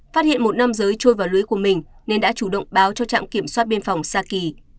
phát hiện một năm giới trôi vào lưới của mình nên đã chủ động báo cho trạm kiểm soát biên phòng saki